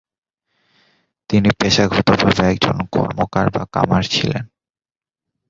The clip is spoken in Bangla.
তিনি পেশাগত ভাবে একজন কর্মকার বা কামার ছিলেন।